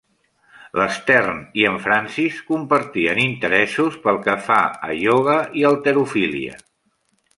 L'Stearn i en Francis compartien interessos pel que fa a ioga i halterofília.